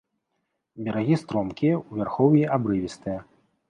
Берагі стромкія, у вярхоўі абрывістыя.